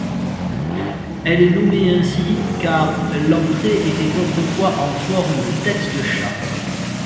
Elle est nommée ainsi, car l'entrée était autrefois en forme de tête de chat.